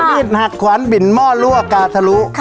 เหตุหักขวานบินเมาะรั่วกาสรุ